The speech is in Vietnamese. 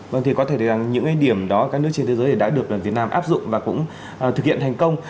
vâng thì có thể rằng những điểm đó các nước trên thế giới đã được việt nam áp dụng và cũng thực hiện thành công